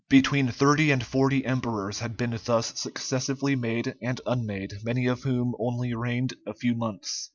Between thirty and forty emperors had been thus successively made and unmade many of whom only reigned a few months.